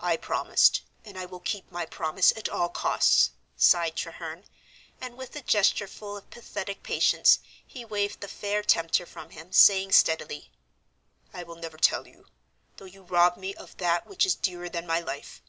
"I promised, and I will keep my promise at all costs," sighed Treherne, and with a gesture full of pathetic patience he waved the fair tempter from him, saying steadily, "I will never tell you, though you rob me of that which is dearer than my life.